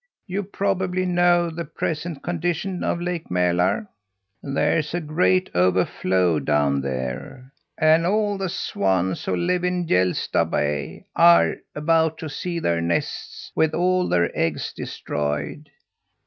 You probably know the present condition of Lake Mälar? There's a great overflow down there and all the swans who live in Hjälsta Bay are about to see their nests, with all their eggs, destroyed.